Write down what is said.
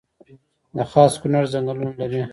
د خاص کونړ ځنګلونه لري